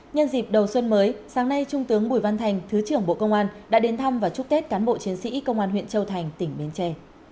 nhân dịp đầu xuân mới sáng nay trung tướng bùi văn thành thứ trưởng bộ công an đã đến thăm và chúc tết cán bộ chiến sĩ công an huyện châu thành tỉnh bến tre